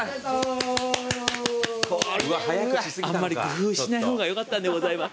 あんまり工夫しない方がよかったんでございます。